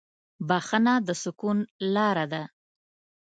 بښنه د سکون لاره ده.